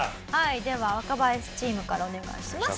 では若林チームからお願いします。